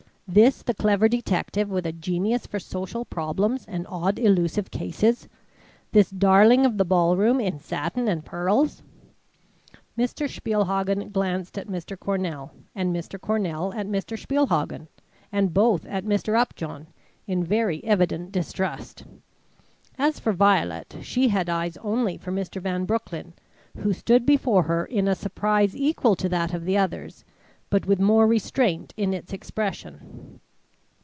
This the clever detective, with a genius for social problems and odd elusive cases! This darling of the ball room in satin and pearls! Mr. Spielhagen glanced at Mr. Carroll, and Mr. Carroll at Mr. Spielhagen, and both at Mr. Upjohn, in very evident distrust. As for Violet, she had eyes only for Mr. Van Broecklyn who stood before her in a surprise equal to that of the others but with more restraint in its expression.